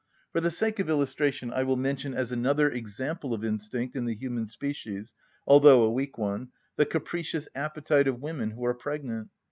For the sake of illustration I will mention as another example of instinct in the human species, although a weak one, the capricious appetite of women who are pregnant.